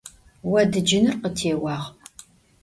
Vodıcınır khıtêuağ.